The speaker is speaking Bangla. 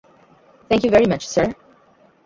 Thank you very much sir.